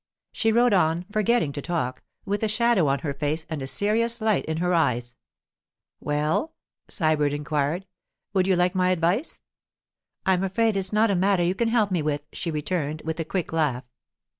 She rode on, forgetting to talk, with a shadow on her face and a serious light in her eyes. 'Well?' Sybert inquired, 'would you like my advice?' 'I'm afraid it's not a matter you can help me with,' she returned, with a quick laugh.